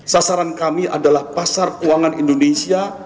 sasaran kami adalah pasar keuangan indonesia